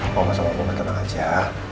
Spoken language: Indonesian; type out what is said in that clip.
mama sama kamu tenang aja